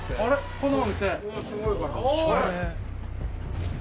このお店。